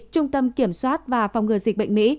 trung tâm kiểm soát và phòng ngừa dịch bệnh mỹ